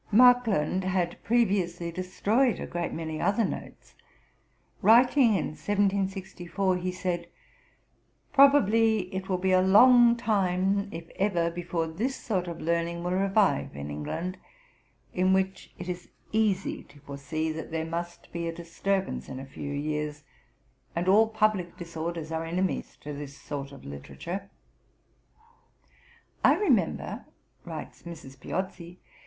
Markland had previously destroyed a great many other notes; writing in 1764 he said: 'Probably it will be a long time (if ever) before this sort of learning will revive in England; in which it is easy to foresee that there must be a disturbance in a few years, and all public disorders are enemies to this sort of literature.' Gent. Mag. 1778, P. 3l0. 'I remember,' writes Mrs. Piozzi (Anec. p.